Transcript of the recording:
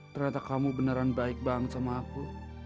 ternyata kamu beneran baik banget sama aku